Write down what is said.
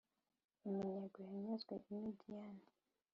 Iminyago yanyazwe i Midiyani